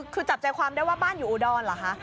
คือจับใจความได้ว่าบ้านอยู่อุดรเหรอคะ